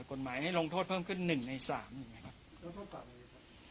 กฎหมายให้ลงโทษเพิ่มขึ้นหนึ่งในสามอย่างไรครับแล้วโทษปรับอะไรครับ